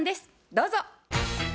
どうぞ。